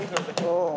うん。